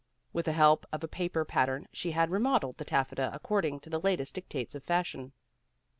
"With the help of a paper pattern she had remodeled the taffeta ac cording to the latest dictates of fashion.